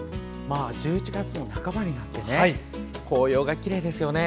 １１月も半ばになって紅葉がきれいですよね。